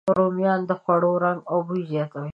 رومیان د خوړو رنګ او بوی زیاتوي